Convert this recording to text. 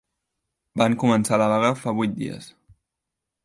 Van començar la vaga fa vuit dies